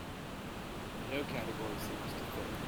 No category seems to fit.